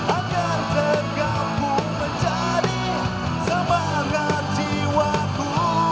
agar tergabung menjadi semangat jiwaku